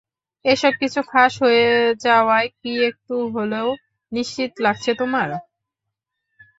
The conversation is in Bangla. এসবকিছু ফাঁস হয়ে যাওয়ায় কি একটু হলেও নিশ্চিন্ত লাগছে তোমার?